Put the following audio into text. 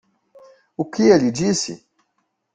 O que ele disse?